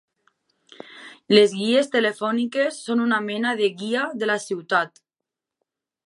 Les guies telefòniques són una mena de guia de la ciutat.